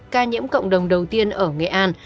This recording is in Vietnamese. ca nhiễm cộng đồng đầu tiên ở nghệ an